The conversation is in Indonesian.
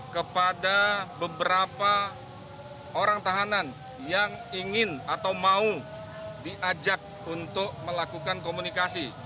kepada beberapa orang tahanan yang ingin atau mau diajak untuk melakukan komunikasi